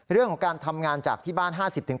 เรื่องของการทำงานจากที่บ้าน๕๐